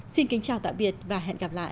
xin kính chào tạm biệt và hẹn gặp lại